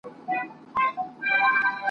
ویل پیره دا خرقه دي راکړه ماته !.